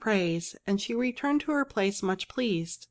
praise, and she returned to her place much pleased.